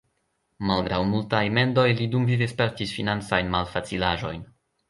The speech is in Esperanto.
Malgraŭ multaj mendoj li dumvive spertis financajn malfacilaĵojn.